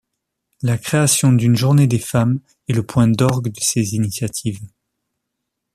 La création d’une journée des femmes est le point d'orgue de ces initiatives.